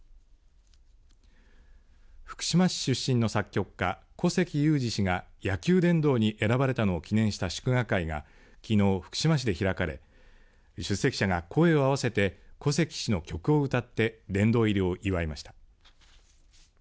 福島市出身の作曲家古関裕而氏が野球殿堂に選ばれたのを記念した祝賀会がきのう福島市で開かれ出席者が声を合わせて古関氏の曲を歌って殿堂入りを祝いました。